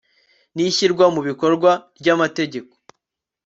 n ishyirwa mu bikorwa ry amategeko